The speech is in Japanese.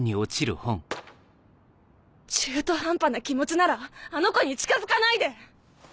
中途半端な気持ちならあの子に近づかないで！